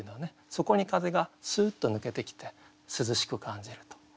そこに風がすっと抜けてきて涼しく感じると。